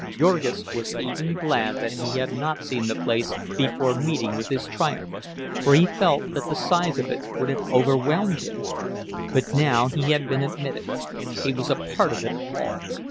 Jurgis was even glad that he had not seen the place before meeting with his triumph, for he felt that the size of it would have overwhelmed him. But now he had been admitted—he was a part of it all!